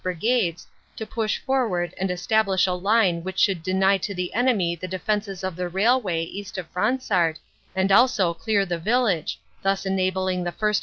Brigades, to push forward and establish a line which should deny to the enemy the defenses of the rail way east of Fransart, and also clear the village, thus enabling the 1st.